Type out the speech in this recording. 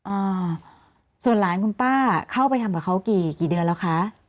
อ่าส่วนหลานคุณป้าเข้าไปทำกับเขากี่กี่เดือนแล้วคะ